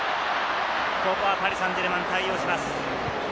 ここはパリ・サンジェルマン、対応します。